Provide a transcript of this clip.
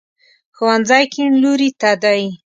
ښوونځی کیڼ لوري ته دی